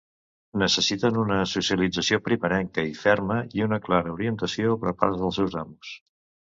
Necessiten una socialització primerenca i ferma i una clara orientació per part dels seus amos.